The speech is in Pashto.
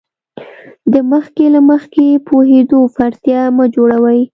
د مخکې له مخکې پوهېدو فرضیه مه جوړوئ.